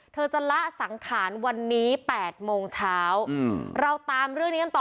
เธอจะละสังขารวันนี้๘โมงเช้าเราตามเรื่องนี้กันต่อ